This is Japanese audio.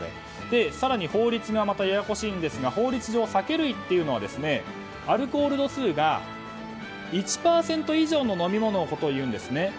更に法律がまたややこしいんですが法律上、酒類というのはアルコール度数が１％以上の飲み物のことをいうんですね。